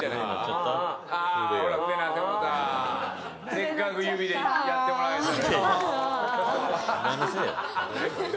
せっかく指でやってもらえたのに。